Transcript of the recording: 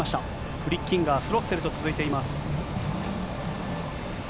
フリッキンガー、スロッセルと続いています。